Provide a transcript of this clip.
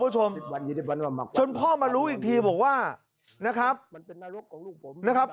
สั้นพ่อมารู้อีกทีบอกว่านะครับ